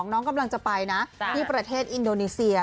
น้องกำลังจะไปนะที่ประเทศอินโดนีเซีย